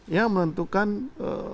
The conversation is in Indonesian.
yang menentukan eee